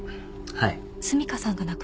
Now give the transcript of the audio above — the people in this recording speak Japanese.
はい？